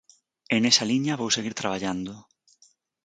E nesa liña vou seguir traballando.